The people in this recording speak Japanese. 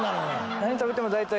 何食べても大体。